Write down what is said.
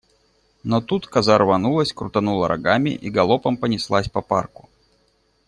Но тут коза рванулась, крутанула рогами и галопом понеслась по парку.